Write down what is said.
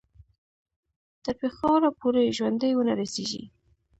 تر پېښوره پوري ژوندي ونه رسیږي.